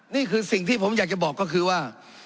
นี่คือสิ่งที่ผมอยากจะบอกก็คือว่า